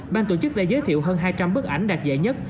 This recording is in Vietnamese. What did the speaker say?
ban tổ chức đã giới thiệu hơn hai trăm linh bức ảnh đặc dạy nhất